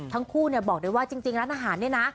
ทั้งคู่บอกเลยว่าจริงร้านอาหารเนี่ยนะ